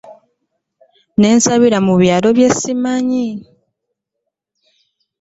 Nasibira mu byalo bye simanyi.